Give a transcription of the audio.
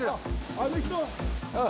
あの人？